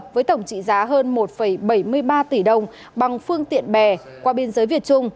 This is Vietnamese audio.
với tổng trị giá hơn một bảy mươi ba tỷ đồng bằng phương tiện bè qua biên giới việt trung